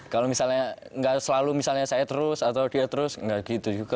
kalau misalnya nggak selalu misalnya saya terus atau dia terus nggak gitu juga